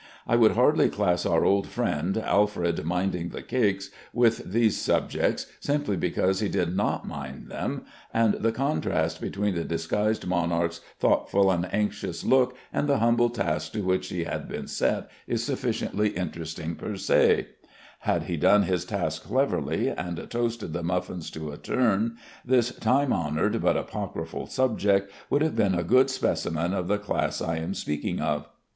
I would hardly class our old friend, "Alfred Minding the Cakes," with these subjects, simply because he did not mind them; and the contrast between the disguised monarch's thoughtful and anxious look and the humble task to which he had been set is sufficiently interesting per se. Had he done his task cleverly, and toasted the muffins to a turn, this time honored but apocryphal subject would have been a good specimen of the class I am speaking of.